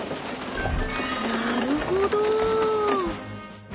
なるほど！